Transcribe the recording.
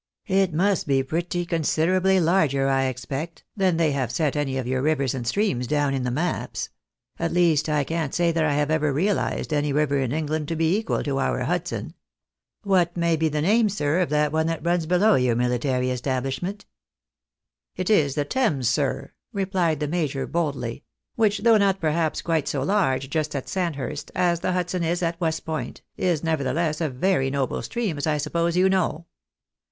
It must be pretty considwably larger, I expect, than they have set any of your rivers and streams down in the maps ; at least I can't say that I have ever realised any river in England to be equal to our Hudson. What may be the name, sir, of that one that runs below your military estabUshment? "" It is the Thames, Bir," replied the major, boldly, " which, though not perhaps quite so large just at Sandhurst as the Hudson is at West Point, is, nevertheless, a very noble stream, as I suppose you know."